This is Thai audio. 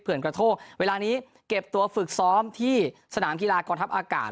กระโทกเวลานี้เก็บตัวฝึกซ้อมที่สนามกีฬากองทัพอากาศ